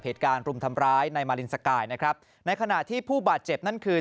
เหตุการณ์รุมทำร้ายในมารินสกายนะครับในขณะที่ผู้บาดเจ็บนั่นคือ